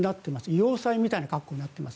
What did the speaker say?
要塞みたいな格好になっています。